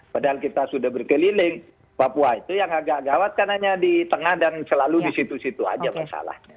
padahal kita sudah berkeliling papua itu yang agak gawat kan hanya di tengah dan selalu di situ situ aja masalahnya